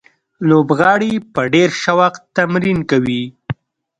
لوبغاړي په ډېر شوق تمرین کوي.